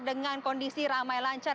dengan kondisi ramai lancar